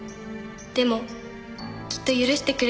「でもきっと許してくれるよね」